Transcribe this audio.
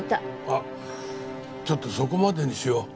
あっちょっとそこまでにしよう。